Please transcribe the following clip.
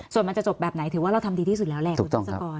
ส่วนมันจะจบแบบไหนถือว่าเราทำดีที่สุดแล้วแหละคุณทัศกร